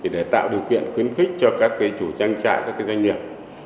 để tạo điều kiện khuyến khích cho các chủ trang trại các doanh nghiệp